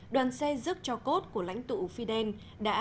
đoàn xe dứt cho cốt của lãnh tụ fidel đã trở lại